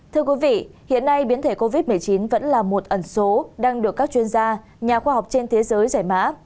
thưa quý vị hiện nay biến thể covid một mươi chín vẫn là một ẩn số đang được các chuyên gia nhà khoa học trên thế giới giải mã